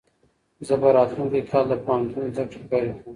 زه به راتلونکی کال د پوهنتون زده کړې پیل کړم.